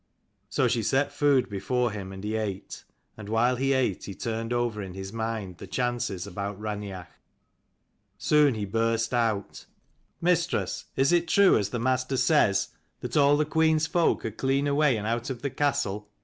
So she set food before him, and he ate. And while he ate he turned over in his mind the chances about Raineach. Soon he burst out, " Mistress, is it true, as the master says, that 250 all the queen's folk are clean away and out of the castle?"